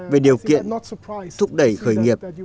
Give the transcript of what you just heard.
về điều kiện thúc đẩy khởi nghiệp